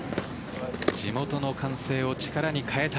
地元の歓声を力に変えた。